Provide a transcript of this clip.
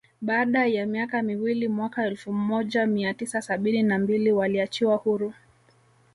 Baada ya miaka miwili mwaka elfu moja mia tisa sabini na mbili waliachiwa huru